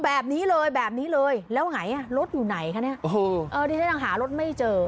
แบบนี้เลยแบบนี้เลยแล้วไงอ่ะรถอยู่ไหนคะเนี่ยโอ้โหเออดิฉันยังหารถไม่เจอ